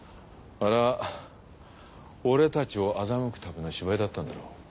あれは俺たちを欺くための芝居だったんだろう。